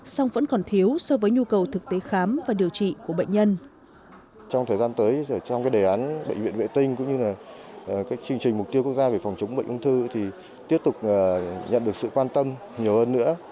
song vẫn còn thiếu so với nhu cầu thực tế khám và điều trị của bệnh nhân